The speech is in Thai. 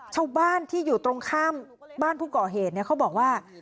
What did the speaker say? ชาวบ้านที่อยู่ตรงข้ามบ้านผู้ก่อเหตุเขาบอกว่า